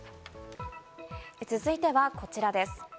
続いてはこちらです。